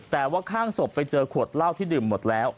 แต่ว่าข้างศพไปเจอขวดเหล้าที่ดื่มหมดแล้ว